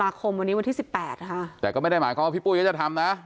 คมวันนี้วันที่สิบแปดค่ะแต่ก็ไม่ได้หมายความว่าพี่ปุ้ยก็จะทำนะ